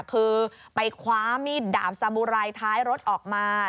คือไปคว้ามีดดาบสามุไรท้ายรถออกมา